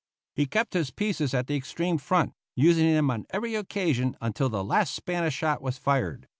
He kept his pieces at the extreme front, using them on every occasion until the last Spanish shot was fired.